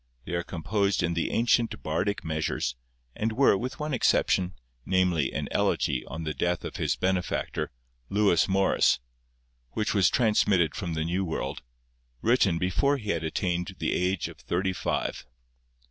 They are composed in the ancient bardic measures, and were, with one exception, namely, an elegy on the death of his benefactor, Lewis Morris, which was transmitted from the New World, written before he had attained the age of thirty five.